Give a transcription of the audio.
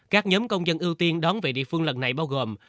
các nhóm công dân ưu tiên đón về địa phương lần này bao gồm